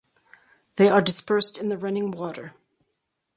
They are dispersed in the running water.